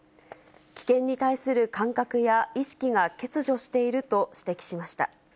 危険に対する感覚や意識が欠如していると指摘しました。